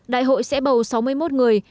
đại hội sẽ bầu sáu mươi một người